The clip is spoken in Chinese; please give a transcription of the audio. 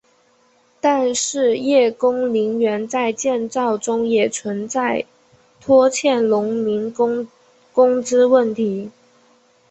但是叶公陵园在建造中也存在拖欠农民工工资问题。